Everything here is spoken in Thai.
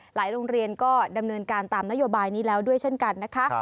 โรงเรียนก็ดำเนินการตามนโยบายนี้แล้วด้วยเช่นกันนะคะ